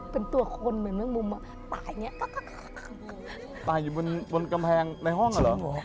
เป็นตัวคนเหมือนแมงมุมอ่ะตายอย่างเงี้ยตายอยู่บนบนกำแพงในห้องอ่ะเหรอ